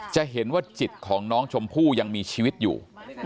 จะเห็นว่าจิตของน้องชมพู่ยังมีชีวิตอยู่